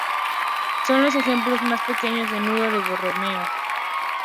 Son los ejemplos más pequeños de nudo de Borromeo.